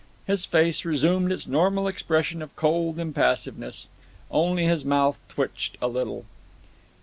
His face resumed its normal expression of cold impassiveness. Only his mouth twitched a little.